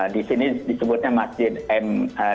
di sini disebutnya masjid m tiga puluh